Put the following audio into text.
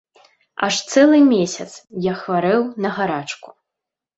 Аж цэлы месяц я хварэў на гарачку.